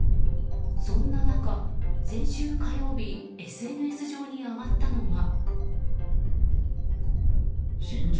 そんな中、先週火曜日ＳＮＳ上に上がったのが。